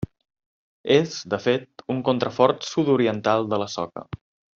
És, de fet, un contrafort sud-oriental de la Soca.